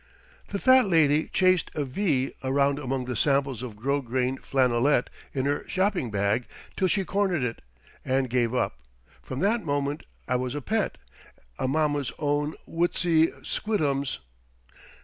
The fat lady chased a V around among the samples of gros grain flannelette in her shopping bag till she cornered it, and gave up. From that moment I was a pet—a mamma's own wootsey squidlums.